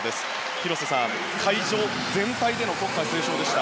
広瀬さん、会場全体での国歌斉唱でした。